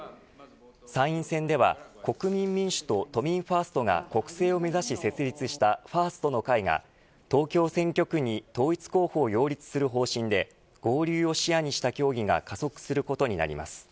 参院選では国民民主と都民ファーストが国政を目指し設立したファーストの会が東京選挙区に統一候補を擁立する方針で合流を視野にした協議が加速することになります。